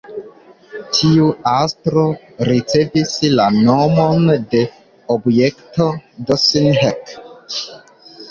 Tiu astro ricevis la nomon de "Objekto Dossin-Heck".